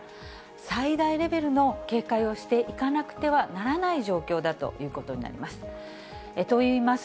最大レベルの警戒をしていかなくてはならない状況だということになります。